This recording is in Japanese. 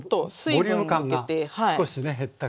ボリューム感が少しね減った感じで。